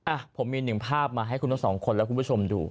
อ่ะผมมีหนึ่งภาพมาให้คุณทั้งสองคนและคุณผู้ชมดู